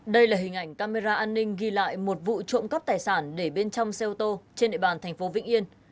đây là hình ảnh camera an ninh ghi lại một vụ trộm cắp tài sản để bên trong xe ô tô trên địa bàn thành phố vĩnh yên